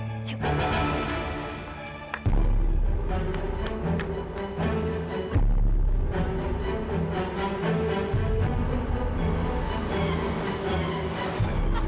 masalah masa apa ada aje